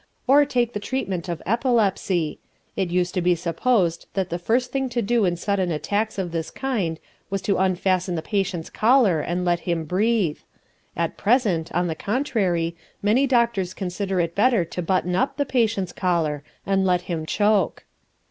Or take the treatment of epilepsy. It used to be supposed that the first thing to do in sudden attacks of this kind was to unfasten the patient's collar and let him breathe; at present, on the contrary, many doctors consider it better to button up the patient's collar and let him choke.